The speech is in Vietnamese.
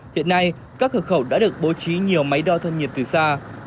hiện nay các cửa khẩu đã được bố trí nhiều máy đo thân nhiệt từ xa